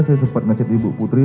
saya sempat ngecet ibu putri